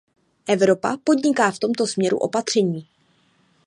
Evropa podniká v tomto směru opatření.